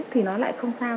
thì nó lại không sao